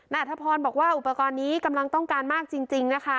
อัธพรบอกว่าอุปกรณ์นี้กำลังต้องการมากจริงนะคะ